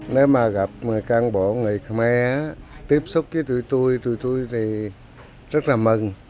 nếu mà gặp người can bộ người khmer tiếp xúc với tụi tui tụi tui thì rất là mừng